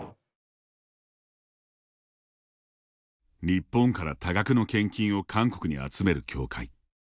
日本から多額の献金を韓国に集める教会。